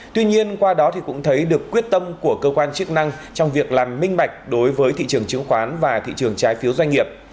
tuy nhiên qua đó cũng thấy được quyết tâm của cơ quan chức năng trong việc làm minh bạch đối với thị trường chứng khoán và thị trường trái phiếu doanh nghiệp